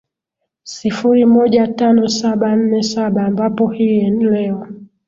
sifuri moja tano saba nne saba ambapo hii leo